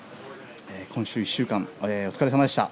今週１週間お疲れ様でした。